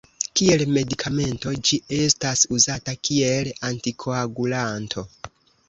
Kiel medikamento ĝi estas uzata kiel antikoagulanto.